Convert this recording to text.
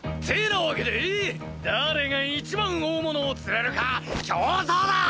なわけで誰が一番大物を釣れるか競争だ！